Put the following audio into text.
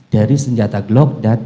dari senjata glock dan